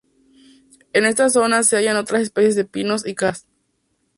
En estas zonas se hallan otras especies de pinos y carrascas.